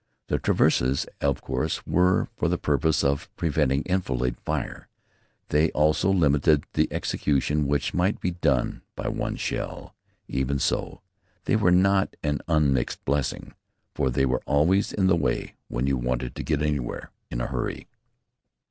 The traverses, of course, were for the purpose of preventing enfilade fire. They also limited the execution which might be done by one shell. Even so they were not an unmixed blessing, for they were always in the way when you wanted to get anywhere in a hurry.